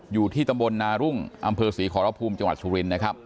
อยู่ที่ตำบลนารุ่งอำเภอศรีขอรภูมิจังหวัดสุรินนะครับ